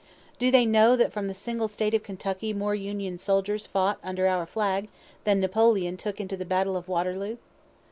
Do they know that from the single State of Kentucky more Union soldiers fought under our flag than Napoleon took into the battle of Waterloo?